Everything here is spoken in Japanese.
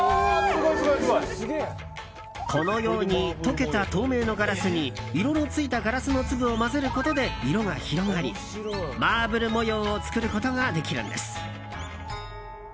このように溶けた透明のガラスに色のついたガラスの粒を混ぜることで色が広がり、マーブル模様を作ることができるんです。